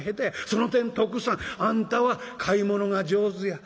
その点徳さんあんたは買い物が上手や。